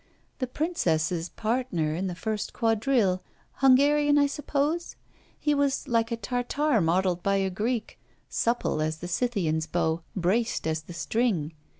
'The princess's partner in the first quadrille... Hungarian, I suppose? He was like a Tartar modelled by a Greek: supple as the Scythian's bow, braced as the string!